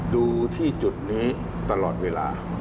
ดูที่จุดนี้ตลอดเวลา